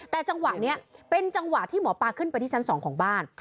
แต่จังหวะนี้เป็นจังหวะที่หมอปลาขึ้นไปที่ชั้น๒ของบ้าน